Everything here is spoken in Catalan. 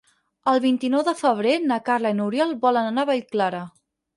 El vint-i-nou de febrer na Carla i n'Oriol volen anar a Vallclara.